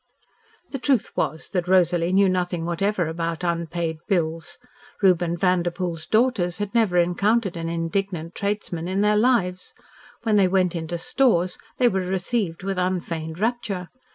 The truth was that Rosalie knew nothing whatever about unpaid bills. Reuben Vanderpoel's daughters had never encountered an indignant tradesman in their lives. When they went into "stores" they were received with unfeigned rapture.